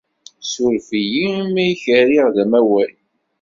Ssuref-iyi imi ay k-rriɣ d amaway.